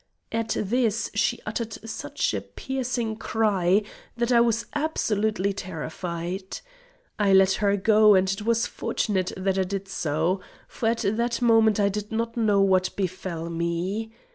At this she uttered such a piercing cry that I was absolutely terrified. I let her go, and it was fortunate that I did so, for at that moment I did not know what befel me.